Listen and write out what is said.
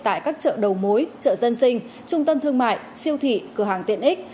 tại các chợ đầu mối chợ dân sinh trung tâm thương mại siêu thị cửa hàng tiện ích